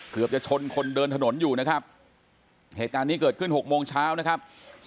เกือบจะชนคนเดินถนนอยู่นะครับเหตุการณ์นี้เกิดขึ้น๖โมงเช้านะครับ